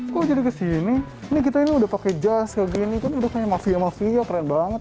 kok jadi kesini nih kita ini udah pakai jas kayak gini kan udah kayak mafia mafia keren banget